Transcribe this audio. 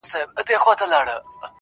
o خو درد بې ځوابه پاتې کيږي تل,